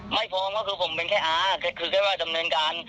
พร้อมก็คือผมเป็นแค่อาก็คือแค่ว่าดำเนินการ